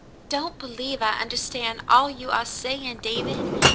'*! don't believe I understand all you are saying, David.